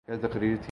کیا تقریر تھی۔